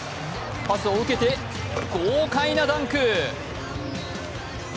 パスを受けて豪快なダンク。